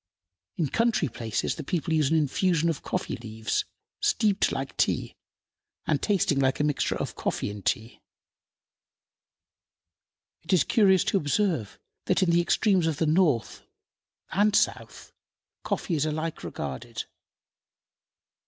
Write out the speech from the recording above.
In country places the people use an infusion of coffee leaves, steeped like tea and tasting like a mixture of coffee and tea. It is curious to observe that in the extremes of the North and South coffee is alike regarded.